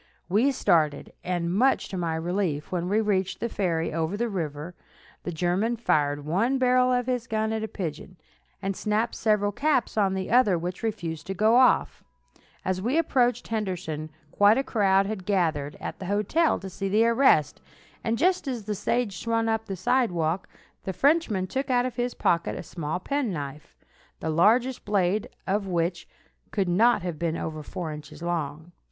We started, and, much to my relief, when we reached the ferry over the river, the German fired one barrel of his gun at a pigeon, and snapped several caps on the other, which refused to go off. As we approached Henderson, quite a crowd had gathered at the hotel to see the arrest, and just as the stage swung up to the sidewalk, the Frenchman took out of his pocket a small penknife, the largest blade of which could not have been over four inches long.